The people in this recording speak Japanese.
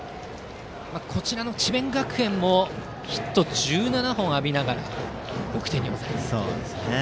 こちらの智弁学園もヒット１７本を浴びながら６点に抑えていると。